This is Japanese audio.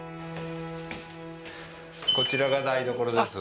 こちらが台所です